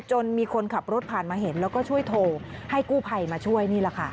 มีคนขับรถผ่านมาเห็นแล้วก็ช่วยโทรให้กู้ภัยมาช่วยนี่แหละค่ะ